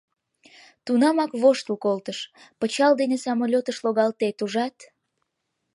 Тунамак воштыл колтыш: пычал дене самолётыш логалтет, ужат?